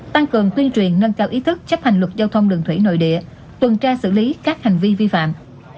tăng cường tuyên truyền nâng cao ý thức chấp hành luật giao thông đường thủy nội địa tuần tra xử lý các hành vi vi phạm